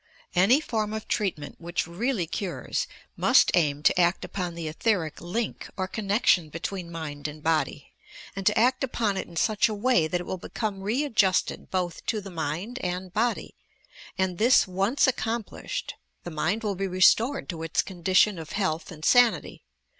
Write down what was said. Any form of treatmeut which really cures, must aim to act upon the etheric link or connection between mind and body, and to act upon it in such a way that it will become re adjusted both to the miud and body, and, this once ac complished, the mind will be restored to its condition of health and sanity.